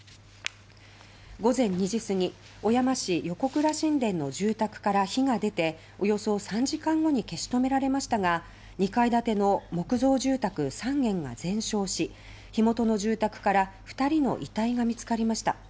午前２時すぎに小山市横倉新田の住宅から火が出ておよそ３時間後に消し止められましたが２階建ての木造住宅３軒が全焼し火元の住宅から２人の遺体が見つかりました。